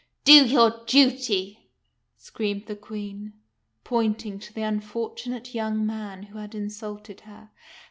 " Do your duty," screamed the Queen, pointing to the un fortunate young man who had insulted her.